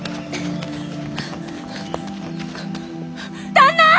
旦那！